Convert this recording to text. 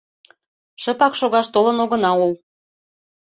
Шыпак шогаш толын огына ул.